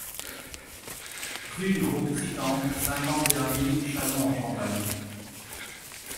Rue du Groupe Tritant, cinquante et un mille Châlons-en-Champagne